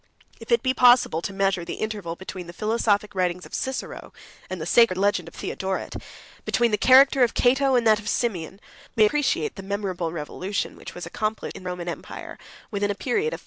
If it be possible to measure the interval between the philosophic writings of Cicero and the sacred legend of Theodoret, between the character of Cato and that of Simeon, we may appreciate the memorable revolution which was accomplished in the Roman empire within a period of five hundred years.